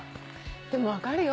でも分かるよ